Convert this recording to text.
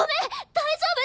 大丈夫？